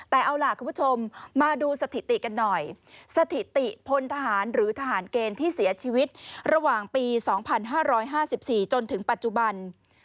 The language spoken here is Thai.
แต่เอาล่ะคุณผู้ชมมาดูสถิติกันหน่อยสถิติพลทหารหรือทหารเกณฑ์ที่เสียชีวิตระหว่างปี๒๕๕๔จนถึงปัจจุบัน